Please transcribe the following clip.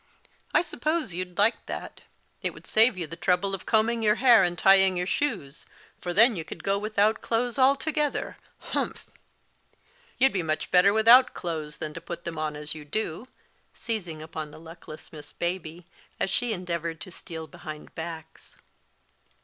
I suppose you'd like that; it would save you the trouble of combing your hair, and tying your shoes, for then you could go without clothes altogether humph! You'd be much better without clothes than to put them on as you do," seizing upon the luckless Miss Baby, as she endeavoured to steal behind backs.